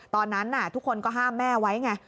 ตอนนั้นทุกคนก็ห้ามแม่ไว้ไง